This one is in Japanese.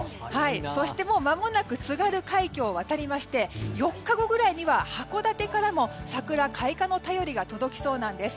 そして、まもなく津軽海峡を渡りまして４日後ぐらいには函館からも桜開花の便りが届きそうなんです。